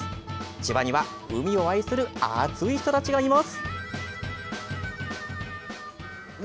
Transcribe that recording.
千葉には海を愛する熱い人たちがいます。